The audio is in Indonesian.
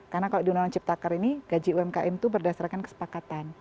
karena kalau di undang undang ciptakar ini gaji umkm itu berdasarkan kesepakatan